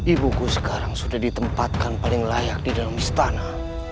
ibuku sekarang sudah ditempatkan paling layak di dalam istana